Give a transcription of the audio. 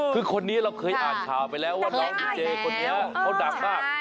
คือคนนี้เราเคยอ่านข่าวไปแล้วว่าน้องดีเจคนนี้เขาดังมาก